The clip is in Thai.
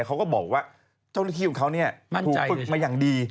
เขาก็บอกว่าเจ้าหน้าที่ของเขาถูกฝึกมาอย่างดี